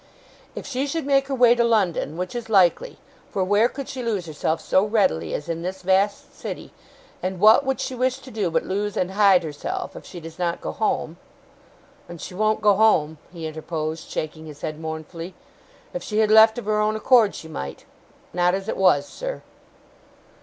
'If she should make her way to London, which is likely for where could she lose herself so readily as in this vast city; and what would she wish to do, but lose and hide herself, if she does not go home? ' 'And she won't go home,' he interposed, shaking his head mournfully. 'If she had left of her own accord, she might; not as It was, sir.